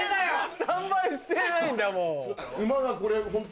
スタンバイしてないんだもん。